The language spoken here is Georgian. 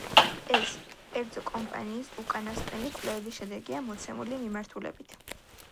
ეს, კერძო კომპანიის უკანასკნელი კვლევების შედეგია მოცემული მიმართულებით.